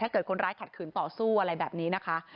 เกิดคนร้ายขัดขืนต่อสู้อะไรแบบนี้นะคะ